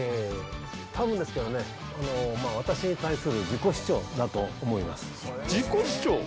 多分ですけど、私に対する自己主張だと思います。